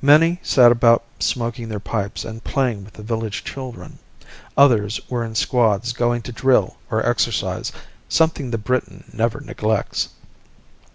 Many sat about smoking their pipes and playing with the village children, others were in squads going to drill or exercise something the Briton never neglects.